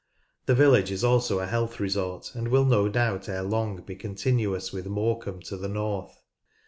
The village is also a health resort, and will no doubt ere long be continuous with Morecambe to the north.